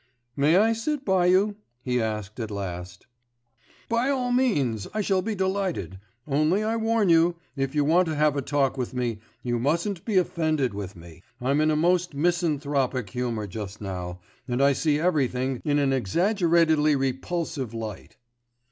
'May I sit by you?' he asked at last. 'By all means, I shall be delighted. Only I warn you, if you want to have a talk with me, you mustn't be offended with me I'm in a most misanthropic humour just now, and I see everything in an exaggeratedly repulsive light.